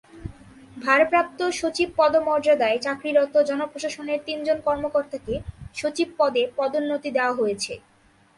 ভারপ্রাপ্ত সচিব পদমর্যাদায় চাকরিরত জনপ্রশাসনের তিনজন কর্মকর্তাকে সচিব পদে পদোন্নতি দেওয়া হয়েছে।